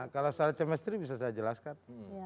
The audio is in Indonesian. kalau soal chemistry bisa saya jelaskan